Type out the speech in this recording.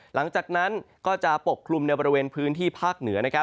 หลังจากนั้นก็จะปกคลุมในบริเวณพื้นที่ภาคเหนือ